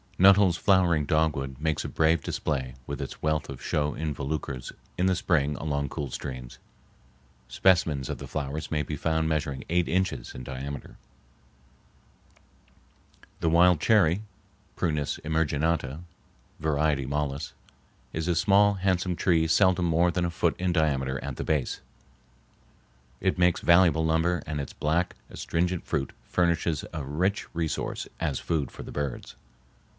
Nuttall's flowering dogwood makes a brave display with its wealth of show involucres in the spring along cool streams. Specimens of the flowers may be found measuring eight inches in diameter. The wild cherry (Prunus emarginata, var. mollis) is a small, handsome tree seldom more than a foot in diameter at the base. It makes valuable lumber and its black, astringent fruit furnishes a rich resource as food for the birds.